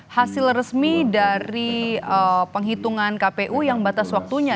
hasil resmi dari penghitungan kpu yang batas waktunya